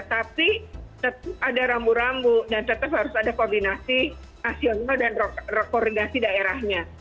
tapi tetap ada rambu rambu dan tetap harus ada koordinasi nasional dan rekorgasi daerahnya